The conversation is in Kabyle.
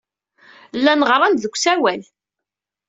Llan ɣɣaren-d deg usawal.